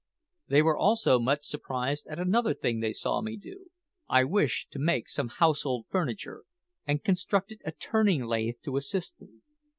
They were also much surprised at another thing they saw me do. I wished to make some household furniture, and constructed a turning lathe to assist me.